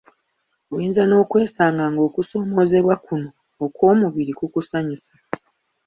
Oyinza n'okwesanga ng'okusoomoozebwa kuno okw'omubiri kukusanyusa.